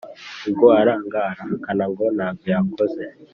Ubwo aranga arahakana ngo ntabyo yakoze